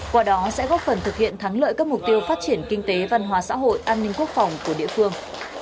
qua đó sẽ góp phần thực hiện thắng lợi các mục tiêu phát triển kinh tế văn hóa xã hội an ninh quốc phòng của địa phương